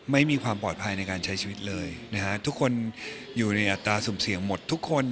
ไม่มีความปลอดภัยในการใช้ชีวิตเลยนะฮะทุกคนอยู่ในอัตราสุ่มเสี่ยงหมดทุกคน